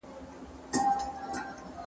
لڅ د لاري اوړي، وږی د لاري نه اوړي.